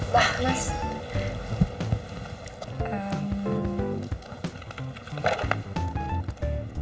kamu pesen apa